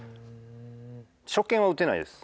初見は打てないです。